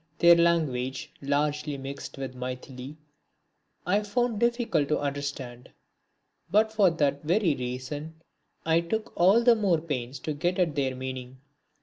Their language, largely mixed with Maithili, I found difficult to understand; but for that very reason I took all the more pains to get at their meaning.